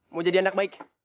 mau jadi anak baik